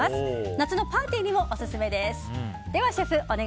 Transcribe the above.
夏のパーティーにもオススメです。